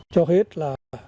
cho hết là